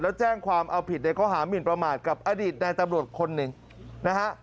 แล้วแจ้งความเอาผิดในข้อหามินประมาทกับอดีตนายตำรวจคนหนึ่งนะฮะ